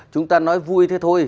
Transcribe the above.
chúng ta nói vui thế thôi